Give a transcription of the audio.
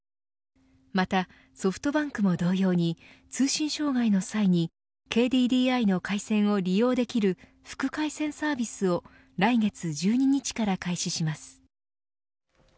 またソフトバンクも同様に通信障害の際にＫＤＤＩの回線を利用できる副回線サービスを来月１２日から開始します。